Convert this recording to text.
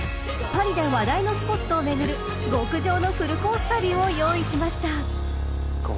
パリで話題のスポットを巡る極上のフルコース旅を用意しました］